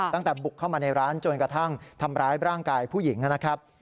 ตั้งแต่บุกเข้ามาในร้านจนกระทั่งทำร้ายร่างกายผู้หญิงนะครับ